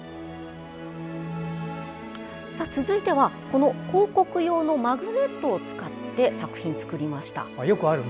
続いては、この広告用のマグネットを使って作品作りました。